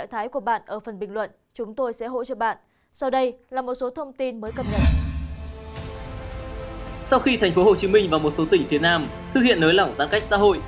hồ chí minh và một số tỉnh phía nam thực hiện nới lỏng tán cách xã hội